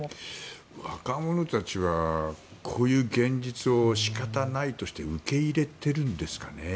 若者たちはこういう現実を仕方ないとして受け入れてるんですかね。